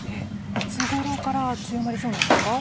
いつごろから強まりそうなんですか？